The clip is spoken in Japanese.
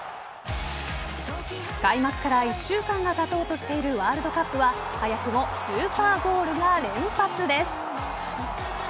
開幕から１週間がたとうとしているワールドカップは早くもスーパーゴールが連発です。